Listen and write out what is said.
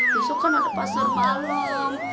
besok kan ada pasar malam